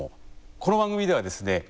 この番組ではですね